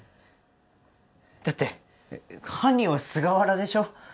だって犯人は菅原でしょ？